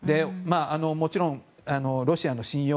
もちろん、ロシアの信用